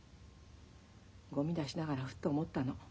ゴミ出しながらフッと思ったの。